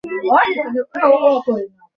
গত কিছুদিনের ঘটনায় আমি হতবিহ্বল হয়ে পড়েছি।